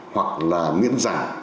hoặc là miễn giả